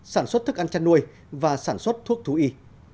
sản xuất thức ăn chăn nuôi và sản xuất thuốc thú y